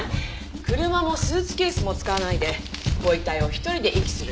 車もスーツケースも使わないでご遺体を１人で遺棄するなんて。